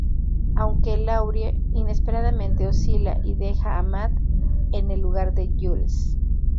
Aunque Laurie inesperadamente oscila y deja a Matt en el lugar de Jules.